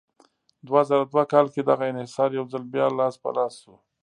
دوه زره دوه کال کې دغه انحصار یو ځل بیا لاس په لاس شو.